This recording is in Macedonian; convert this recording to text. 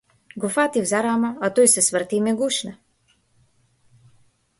Го фатив за рамо, а тој се сврте и ме гушна.